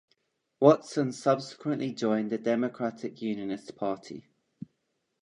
Watson subsequently joined the Democratic Unionist Party.